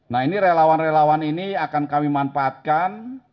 nah ini relawan relawan ini akan kami manfaatkan